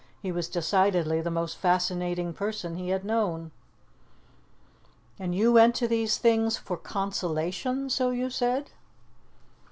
He was decidedly the most fascinating person he had known. "And you went to these things for consolation so you said?"